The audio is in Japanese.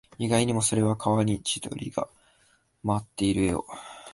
意外にも、それは川に千鳥が舞っている絵を